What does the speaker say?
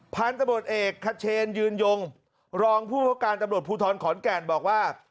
พันธบทเอกคเชนยืนยงรองผู้ประการตำรวจภูทรขอนแก่นบอกว่า